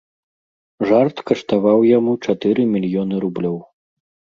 Жарт каштаваў яму чатыры мільёны рублёў.